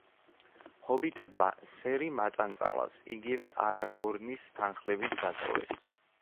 ჰობიტებმა სერი მაწანწალას, იგივე არაგორნის თანხლებით დატოვეს.